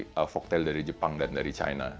eee folktale dari jepang dan dari china